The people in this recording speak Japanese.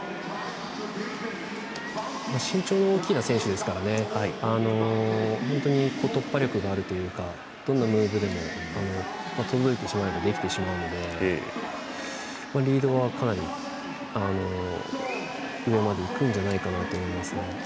身長の大きな選手ですから本当に、突破力があるというかどんなムーブでもとろうと思えばできてしまうのでリードはかなりいくんじゃないかなと思います。